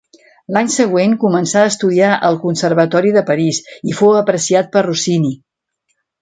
L'any següent començà a estudiar al Conservatori de París i fou apreciat per Rossini.